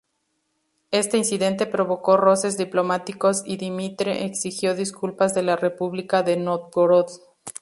Este incidente provocó roces diplomáticos y Dmitri exigió disculpas de la República de Nóvgorod.